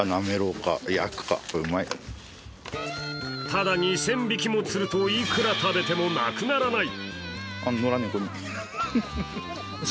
ただ２０００匹も釣るといくら食べてもなくならない。